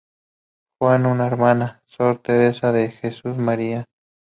Juan una hermana, Sor Teresa de Jesús María.